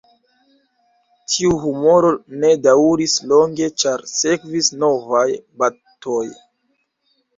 Tiu humoro ne daŭris longe, ĉar sekvis novaj batoj.